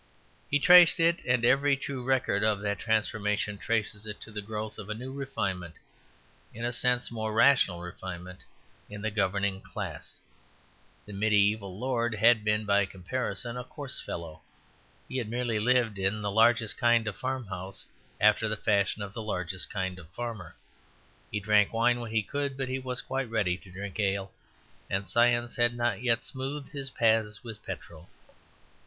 He traced it, and every true record of that transformation traces it, to the growth of a new refinement, in a sense a more rational refinement, in the governing class. The mediæval lord had been, by comparison, a coarse fellow; he had merely lived in the largest kind of farm house after the fashion of the largest kind of farmer. He drank wine when he could, but he was quite ready to drink ale; and science had not yet smoothed his paths with petrol.